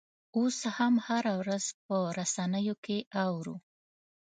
اوس هم هره ورځ په رسنیو کې اورو.